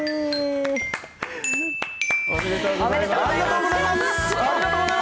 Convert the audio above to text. おめでとうございます。